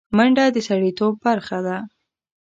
منډه د سړيتوب برخه ده